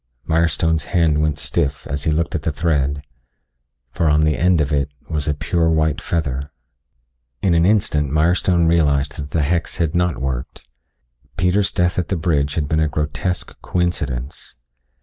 Mirestone's hand went stiff as he looked at the thread, for on the end of it was a pure white feather. In an instant Mirestone realized that the hex had not worked. Peter's death at the bridge had been a grotesque coincidence.